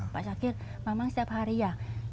pak sakit memang setiap hari ya